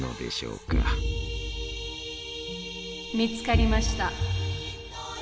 見つかりました。